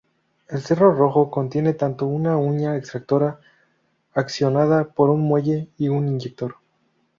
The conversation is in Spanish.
El cerrojo contiene tanto una uña extractora accionada por un muelle y un eyector.